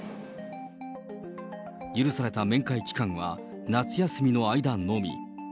許された面会期間は夏休みの間のみ。